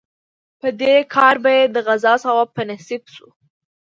په دې کار به یې د غزا ثواب په نصیب شو.